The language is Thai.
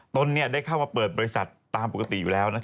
ตนได้เข้ามาเปิดบริษัทตามปกติอยู่แล้ว